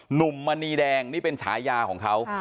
หนุ่มมณีแดงนี่เป็นชายาของเขา